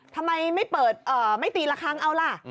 ทำไมไม่เปิดไม่ตีละครั้งเอาล่ะ